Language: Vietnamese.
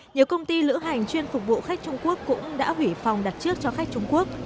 nhiều công ty lữ hành chuyên phục vụ khách trung quốc cũng đã hủy phòng đặt trước cho khách trung quốc